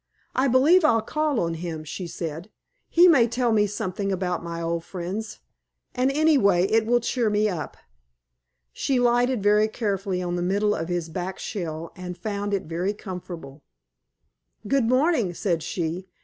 "I believe I'll call on him," she said. "He may tell me something about my old friends, and anyway it will cheer me up." She lighted very carefully on the middle of his back shell and found it very comfortable. "Good morning," said she.